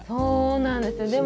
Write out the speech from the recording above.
そうなんですよ。